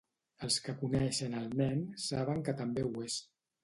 Els que coneixen el nen saben que també ho és.